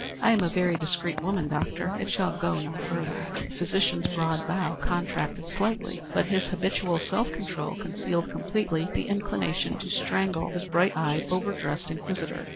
I am a very discreet woman, doctor. It shall go no further." The physician's broad brow contracted slightly, but his habitual self control concealed completely the inclination to strangle his bright eyed, over dressed inquisitor.